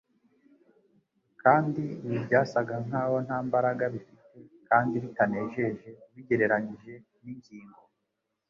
kandi ibi byasaga nk’aho nta mbaraga bifite kandi bitanejeje ubigereranyije n’ingingo